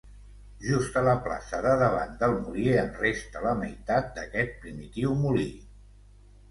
Just a la plaça de davant del molí en resta la meitat d'aquest primitiu molí.